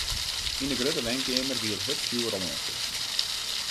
Yn de grutte wenkeamer wie it hurdfjoer al oanstutsen.